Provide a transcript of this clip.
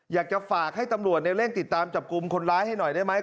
อยากจะฝากให้ตำรวจเร่งติดตามจับกลุ่มคนร้ายให้หน่อยได้ไหม